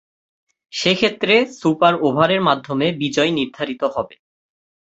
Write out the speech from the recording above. সেক্ষেত্রে সুপার ওভারের মাধ্যমে বিজয়ী নির্ধারিত হবে।